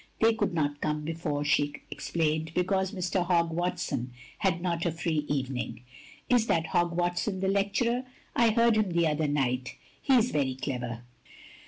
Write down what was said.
They could not come before," she explained, "because Mr. Hogg Watson had not a free evening. " Is that Hogg Watson the lecturer? I heard him the other night. He is very clever.